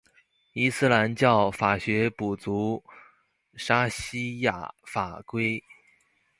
伊斯兰教法学补足沙里亚法规。